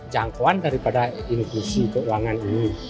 jangkauan daripada inklusi keuangan ini